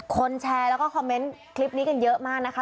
แชร์แล้วก็คอมเมนต์คลิปนี้กันเยอะมากนะคะ